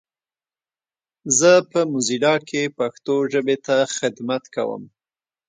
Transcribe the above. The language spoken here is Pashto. زه په موزیلا کې پښتو ژبې ته خدمت کوم.